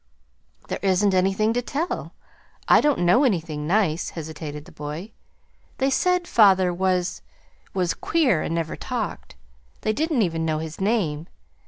"There isn't anything to tell. I don't know anything nice," hesitated the boy. "They said father was was queer, and never talked. They didn't even know his name.